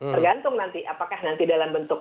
tergantung nanti apakah nanti dalam bentuk